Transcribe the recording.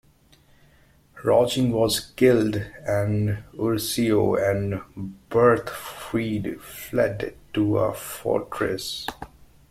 Rauching was killed and Ursio and Berthefrid fled to a fortress.